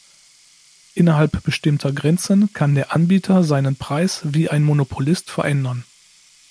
Innerhalb bestimmter Grenzen kann der Anbieter seinen Preis wie ein Monopolist verändern.